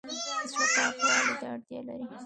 زړه پاکوالي ته اړتیا لري